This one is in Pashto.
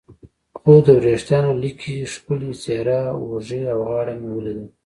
خو د وریښتانو لیکې، ښکلې څېره، اوږې او غاړه مې ولیدل.